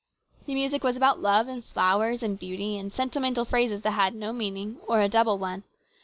The music was about love and flowers and beauty and sentimental phrases that had no meaning, or a double one.